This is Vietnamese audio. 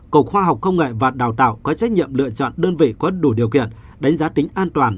cộng khoa học không ngại và đào tạo có trách nhiệm lựa chọn đơn vị có đủ điều kiện đánh giá tính an toàn